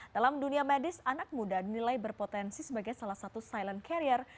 dalam dunia medis anak muda dinilai berpotensi sebagai salah satu silent carrier